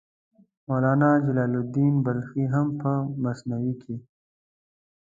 مولانا جلال الدین بلخي هم په مثنوي کې.